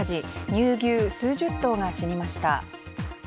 乳牛数十頭が死にました。